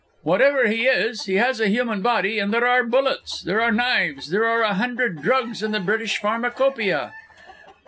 Whatever he is, he has a human body and there are bullets, there are knives, there are a hundred drugs in the British Pharmacopoeia!"